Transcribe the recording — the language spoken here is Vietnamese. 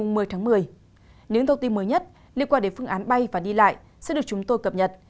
những thông tin mới nhất liên quan đến phương án bay và đi lại sẽ được chúng tôi cập nhật